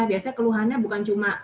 biasanya keluhannya bukan cuma